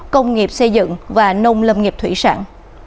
công nghiệp xây dựng và nông lâm nghiệp thủy sản